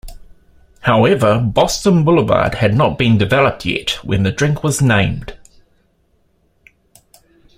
However, Boston Boulevard had not been developed yet when the drink was named.